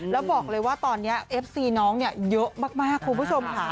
แล้วบอกเลยว่าตอนนี้เอฟซีน้องเนี่ยเยอะมากคุณผู้ชมค่ะ